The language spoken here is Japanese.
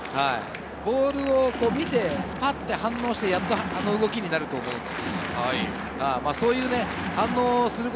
ボールを見て、パッと反応してやっとあの動きになると思うので。